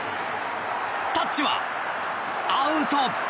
タッチはアウト！